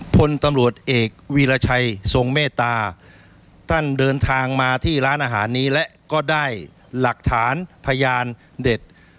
พลตำรวจเอกวีรชัยทรงเมตตาท่านเดินทางมาที่ร้านอาหารนี้และก็ได้หลักฐานพยานเด็ด